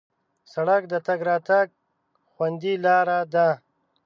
سړک د تګ راتګ خوندي لاره ده.